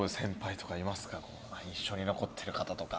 印象に残ってる方とか。